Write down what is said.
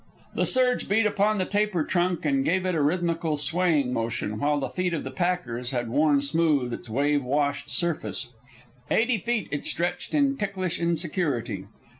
The surge beat upon the taper trunk and gave it a rhythmical swaying motion, while the feet of the packers had worn smooth its wave washed surface. Eighty feet it stretched in ticklish insecurity.